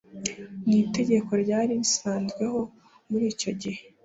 n itegeko ryari risanzweho Muri icyo gihe